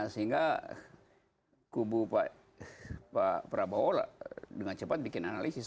sehingga kubu pak prabowo dengan cepat bikin analisis